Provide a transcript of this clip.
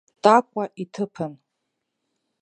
Такәа иҭыԥан.